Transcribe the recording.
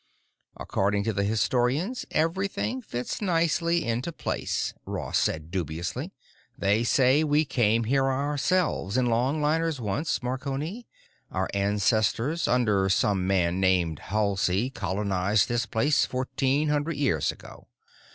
"According to the historians, everything fits nicely into place," Ross said, dubiously. "They say we came here ourselves in longliners once, Marconi. Our ancestors under some man named Halsey colonized this place, fourteen hundred years ago.